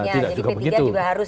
jadi p tiga juga harus punya